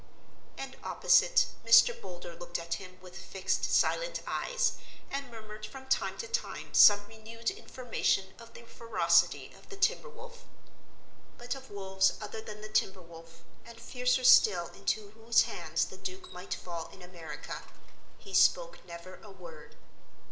And opposite, Mr. Boulder looked at him with fixed silent eyes, and murmured from time to time some renewed information of the ferocity of the timber wolf. But of wolves other than the timber wolf, and fiercer still into whose hands the Duke might fall in America, he spoke never a word.